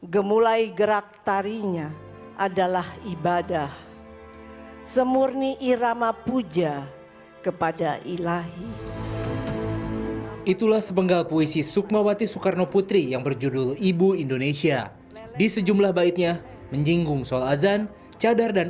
gemulai gerak tarinya adalah ibadah